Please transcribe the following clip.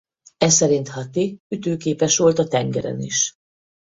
Eszerint Hatti ütőképes volt a tengeren is.